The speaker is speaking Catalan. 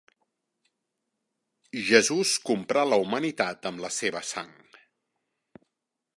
Jesús comprà la humanitat amb la seva sang.